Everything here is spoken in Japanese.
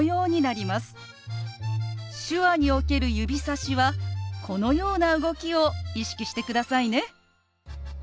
手話における指さしはこのような動きを意識してくださいね。